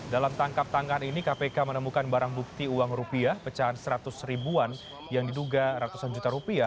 dalam tangkap tangan ini kpk menemukan barang bukti uang rupiah pecahan seratus ribuan yang diduga ratusan juta rupiah